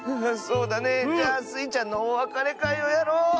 あそうだね。じゃあスイちゃんのおわかれかいをやろう。